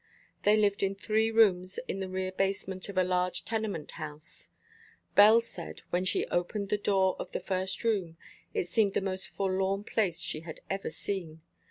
They lived in three rooms in the rear basement of a large tenement house. Belle said, when she opened the door of the first room, it seemed the most forlorn place she had ever seen.